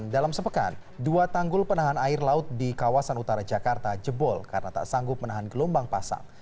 dalam sepekan dua tanggul penahan air laut di kawasan utara jakarta jebol karena tak sanggup menahan gelombang pasang